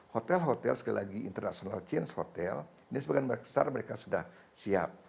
hotel hotel sekali lagi international change hotel ini sebagian besar mereka sudah siap